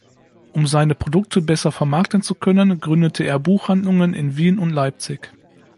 Um seine Produkte besser vermarkten zu können gründete er Buchhandlungen in Wien und Leipzig.